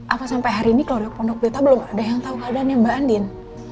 apa sampai hari ini keluarga pondok pita belum ada yang tahu keadaannya mbak andin